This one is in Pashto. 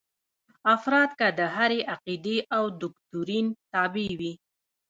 افراد که د هرې عقیدې او دوکتورین تابع وي.